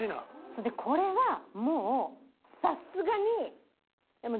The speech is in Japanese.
それでこれはもうさすがに。